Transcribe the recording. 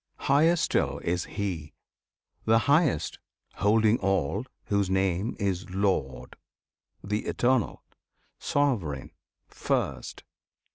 Higher still is He, The Highest, holding all, whose Name is LORD, The Eternal, Sovereign, First!